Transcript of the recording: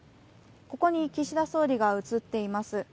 ここに岸田総理が映っています。